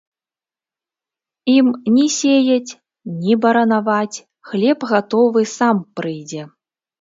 Ім ні сеяць, ні баранаваць, хлеб гатовы сам прыйдзе.